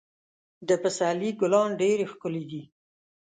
د پسرلي ګلان ډېر ښکلي دي.